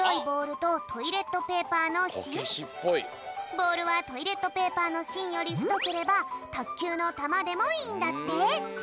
ボールはトイレットペーパーのしんよりふとければたっきゅうのたまでもいいんだって。